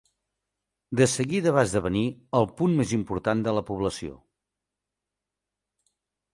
De seguida va esdevenir el punt més important de la població.